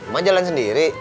ma jalan sendiri